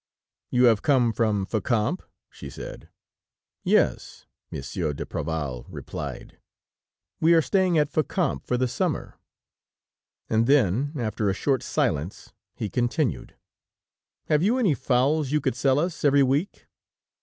"You have come from Fécamp?" she said. "Yes," Monsieur d'Apreval replied, "we are staying at Fécamp for the summer." And then after a short silence he continued: "Have you any fowls you could sell us, every week?"